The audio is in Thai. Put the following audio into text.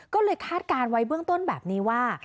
ก็เลยคาดการณ์ไว้เบื้องต้นแบบนี้ว่า